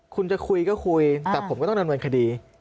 คุณจะคุยก็คุยแต่ผมก็ต้องดำเนินคดี